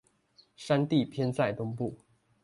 山地偏在東部